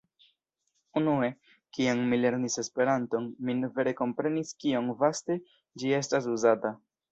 Unue, kiam mi lernis Esperanton, mi ne vere komprenis kiom vaste ĝi estas uzata.